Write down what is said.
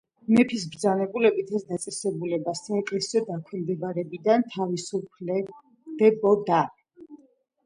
მეფის ბრძანებულებით ეს დაწესებულება საეკლესიო დაქვემდებარებიდან თავისუფლდებოდა.